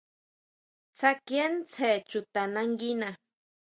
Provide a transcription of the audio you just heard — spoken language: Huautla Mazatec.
Tsákie tsjen chuta nanguina.